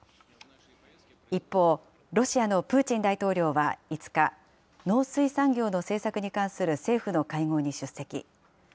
一方、ロシアのプーチン大統領は５日、農水産業の政策に関する政府の会合に出席。